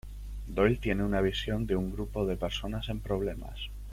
Doyle tiene una visión de un grupo de de personas en problemas.